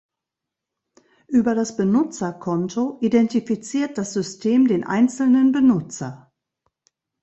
Über das Benutzerkonto identifiziert das System den einzelnen Benutzer.